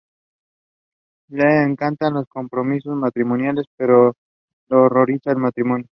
Le encantan los compromisos matrimoniales, pero le horroriza el matrimonio.